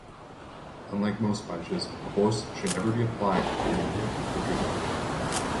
Unlike most punches, force should never be applied to the tip of drift pin.